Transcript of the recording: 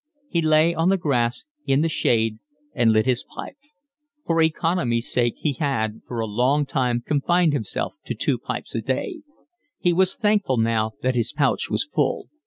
He lay on the grass, in the shade, and lit his pipe. For economy's sake he had for a long time confined himself to two pipes a day; he was thankful now that his pouch was full.